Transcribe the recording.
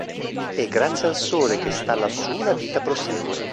E grazie al Sole che sta lassù la vita prosegue.